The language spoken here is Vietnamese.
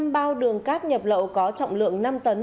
một trăm linh bao đường cát nhập lậu có trọng lượng năm tấn